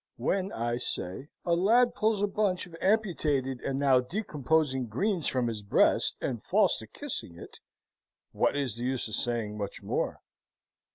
When, I say, a lad pulls a bunch of amputated and now decomposing greens from his breast and falls to kissing it, what is the use of saying much more?